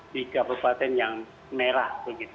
di kabupaten yang merah